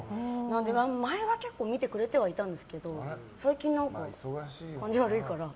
前は結構見てくれてはいたんですけど最近、何か感じ悪いから。